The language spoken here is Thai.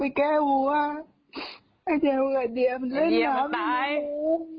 ไอ้เทวน์กับไอ้เดี๋ยวมันเล่นน้ำอยู่ในหัว